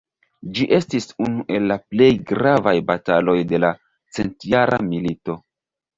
Ĝi estis unu el la plej gravaj bataloj de la Centjara Milito.